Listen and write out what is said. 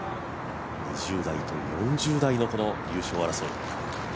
２０代と４０代の優勝争い。